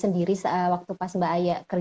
sendiri waktu pas mbak ayah